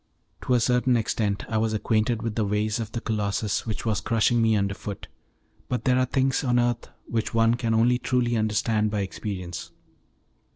To a certain extent I was acquainted with the ways of the Colossus which was crushing me under foot, but there are things on earth which one can only truly understand by experience.